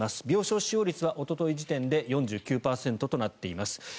病床使用率はおととい時点で４９％となっています。